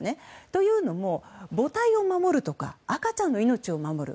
というのも母体を守るとか赤ちゃんの命を守る。